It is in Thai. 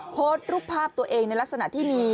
โพสต์รูปภาพตัวเองในลักษณะที่มี